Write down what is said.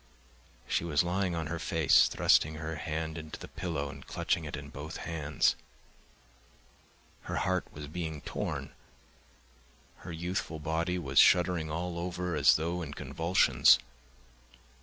She was lying on her face, thrusting her face into the pillow and clutching it in both hands. Her heart was being torn. Her youthful body was shuddering all over as though in convulsions.